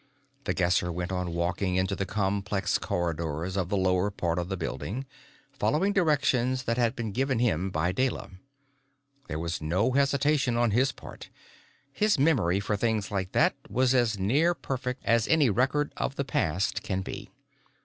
The Guesser went on walking into the complex corridors of the lower part of the building, following directions that had been given him by Deyla. There was no hesitation on his part; his memory for things like that was as near perfect as any record of the past can be.